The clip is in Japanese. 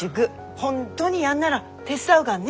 本当にやんなら手伝うがらね。